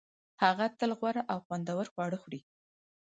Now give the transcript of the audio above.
هغه تل غوره او خوندور خواړه خوري